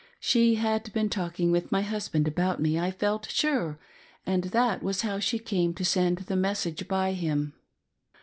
She had been talking with my husband about me, I felt sure, and that was how she came to send the message by him.